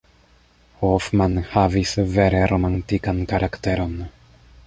Hoffmann havis vere romantikan karakteron.